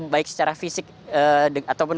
baik secara fisik ataupun